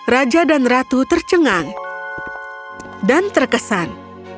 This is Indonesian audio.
raja dan ratu tercengang dan terkesan